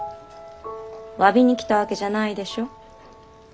わびに来たわけじゃないでしょ？